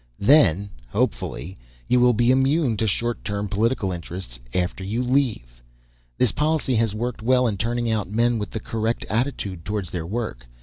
Then hopefully you will be immune to short term political interests after you leave. "This policy has worked well in turning out men with the correct attitude towards their work.